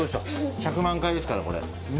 １００万回ですからこれ。